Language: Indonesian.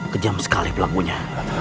kejam sekali pelanggunya